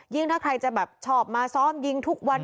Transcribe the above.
ถ้าใครจะแบบชอบมาซ้อมยิงทุกวัน